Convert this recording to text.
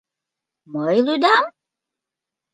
Мый лӱдам?